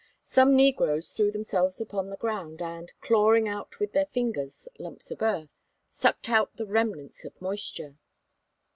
Some negroes threw themselves upon the ground and, clawing out with their fingers lumps of earth, sucked out the remnants of moisture.